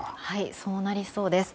そうなりそうです。